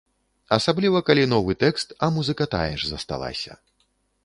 Асабліва, калі новы тэкст, а музыка тая ж засталася.